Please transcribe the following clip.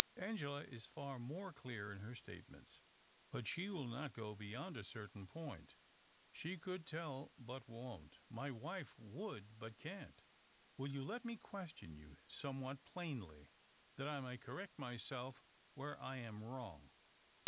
Angela is fax more clear in her statements, but she will not go beyond a certain point. She could tell, but won't. My wife would, but can't. Will you let me question you — somewhat plainly — that I may correct myself where I am wrong